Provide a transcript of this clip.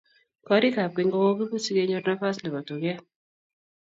korik ab keny ko kokiput si kenyor nafas nebo tuget